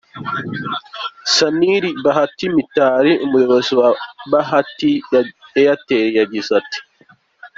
Sunil Bharti Mittal, umuyobozi wa Bharti Airtel yagize ati:.